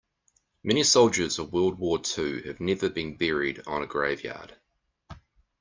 Many soldiers of world war two have never been buried on a grave yard.